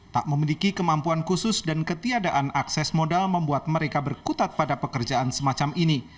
tak memiliki kemampuan khusus dan ketiadaan akses modal membuat mereka berkutat pada pekerjaan semacam ini